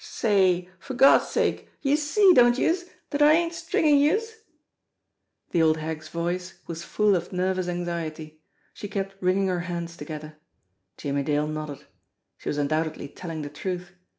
Say, for God's sake, youse see, don't youse, dat I ain't stringin' youse ?" The old hag's voice was full of nervous anxiety. She kept wringing her hands together. Jimmie Dale nodded. She was undoubtedly telling the truth.